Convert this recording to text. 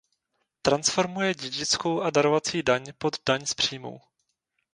Transformuje dědickou a darovací daň pod daň z příjmů.